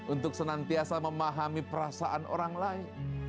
untuk senantiasa memahami perasaan orang lain